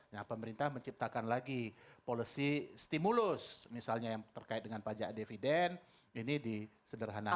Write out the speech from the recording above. nah pemerintah menciptakan lagi policy stimulus misalnya yang terkait dengan pajak dividen ini disederhanakan